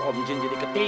om jin jadi ketipu deh